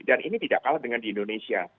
dan ini tidak kalah dengan di indonesia